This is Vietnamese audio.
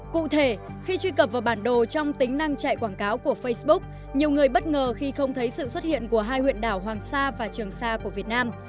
cụ thể khi truy cập vào bản đồ trong tính năng chạy quảng cáo của facebook nhiều người bất ngờ khi không thấy sự xuất hiện của hai huyện đảo hoàng sa và trường sa của việt nam